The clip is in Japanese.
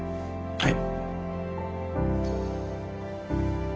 はい。